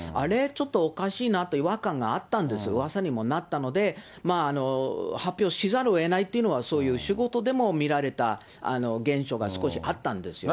ちょっとおかしいなと違和感があったんですよ、うわさにもなったので、発表せざるをえないという、そういう仕事でも見られた現象が少しあったんですよね。